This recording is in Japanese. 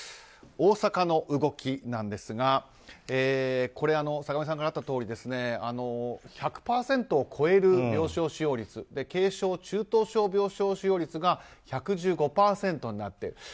大阪の動きなんですが坂上さんからあったとおり１００％を超える病床使用率軽症・中等症病床使用率が１１５％になってる。